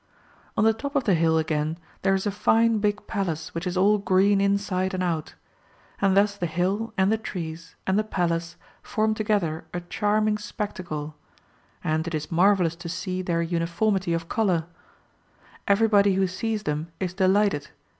^^ On the top of the hill again there is a fine big palace which is all green inside and out ; and thus the hill, and the trees, and the palace form together a charming spectacle ; and it is marvellous to see their uniformity 366 MARCO POLO Book II. of colour! Everybody who sees them is deHghted.